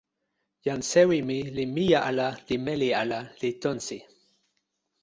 jan sewi mi li mije ala li meli ala li tonsi.